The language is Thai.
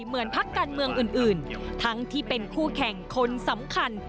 เหมือนพักการเมืองอื่นทั้งที่เป็นคู่แข่งคนสำคัญ